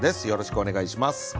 よろしくお願いします。